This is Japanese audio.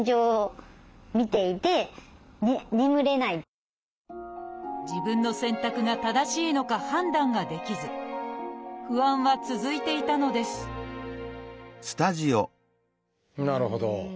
しかし自分の選択が正しいのか判断ができず不安は続いていたのですなるほど。